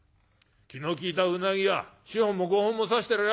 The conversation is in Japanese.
気の利いたうなぎは４本も５本も刺してるよ。